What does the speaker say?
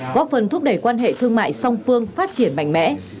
góp phần thúc đẩy quan hệ thương mại song phương phát triển mạnh mẽ